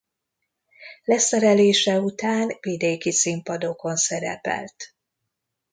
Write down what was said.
Leszerelése után vidéki színpadokon szerepelt.